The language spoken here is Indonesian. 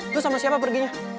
lo sama siapa perginya